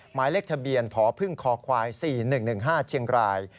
หมายเลขทะเบียนพพควาย๔๑๑๕เชียงราย